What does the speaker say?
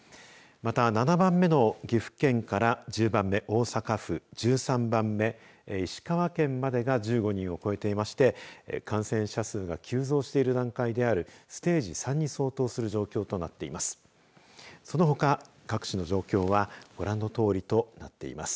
また、７番目の岐阜県から１０番目の大阪府１３番目、石川県までが１５人を超えていまして感染者数が急増している段階であるステージ３に相当する状況となっています。